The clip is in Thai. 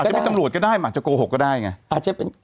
อาจจะไม่ใช่ตำรวจก็ได้อาจจะโกหกก็ไม่ใช่